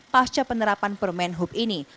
pasca penerapan permen hub ini